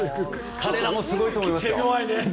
彼らもすごいと思いますよ。